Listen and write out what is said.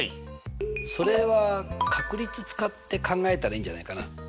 それは確率使って考えたらいいんじゃないかな。